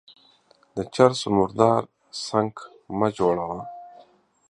د چر سو مردار سنگ مه جوړوه.